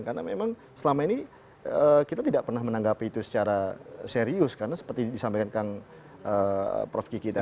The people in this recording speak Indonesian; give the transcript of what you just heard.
karena memang selama ini kita tidak pernah menanggapi itu secara serius karena seperti disampaikan kang prof kiki tadi